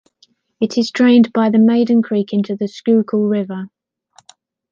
It is drained by the Maiden Creek into the Schuylkill River.